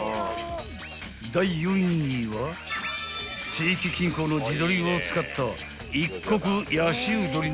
［地域近郊の地鶏を使った］